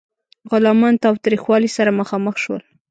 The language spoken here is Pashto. غلامان تاوتریخوالي سره مخامخ شول.